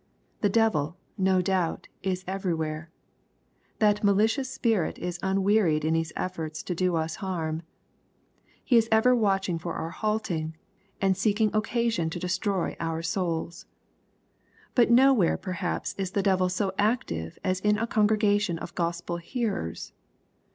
The devil, no doubt, is everywhere. That malicious spirit is unwearied in his efforts to do us harm. He is ever watching for our halting, and seeking occasion to destroy our souls. But nowhere perhaps is the devil so active as in a congregation of Gospel hearers.